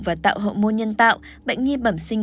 và tạo hậu môn nhân tạo bệnh nhi bẩm sinh